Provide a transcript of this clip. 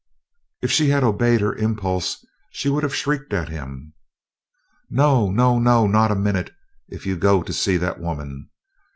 If she had obeyed her impulse she would have shrieked at him: "No! no! no! Not a minute, if you go to see that woman!"